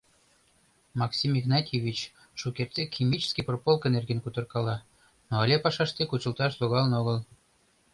Максим Игнатьевич шукертсек химический прополка нерген кутыркала, но але пашаште кучылташ логалын огыл.